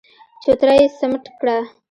چوتره يې سمټ کړه.